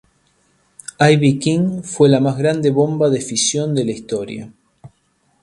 Ivy King fue la más grande bomba de fisión de la historia.